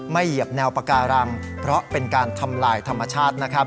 ไม่เหยียบแนวปากการังเพราะเป็นการทำลายธรรมชาติ